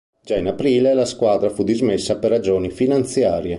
Già in aprile la squadra fu dismessa per ragioni finanziarie.